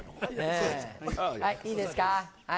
いいですか。